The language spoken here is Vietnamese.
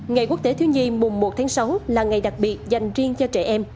ngày quốc tế thiếu nhi mùng một tháng sáu là ngày đặc biệt dành riêng cho trẻ em